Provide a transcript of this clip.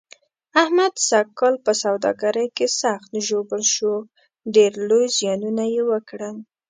احمد سږ کال په سوداګرۍ کې سخت ژوبل شو، ډېر لوی زیانونه یې وکړل.